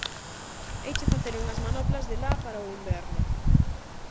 Heiche facer unhas manoplas de la para o inverno.